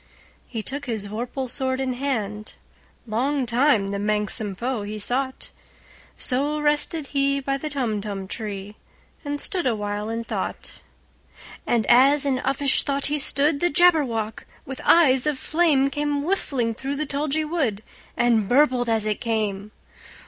He took his vorpal sword in hand:Long time the manxome foe he sought—So rested he by the Tumtum tree, And stood awhile in thought. And as in uffish thought he stood, The Jabberwock, with eyes of flame, Came whiffling through the tulgey wood, And burbled as it came!